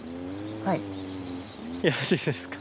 はい。